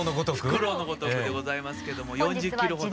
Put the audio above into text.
フクロウのごとくでございますけれども４０キロほど。